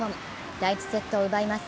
第１セットを奪います。